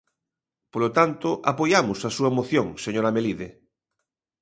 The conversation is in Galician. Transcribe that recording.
Polo tanto, apoiamos a súa moción, señora Melide.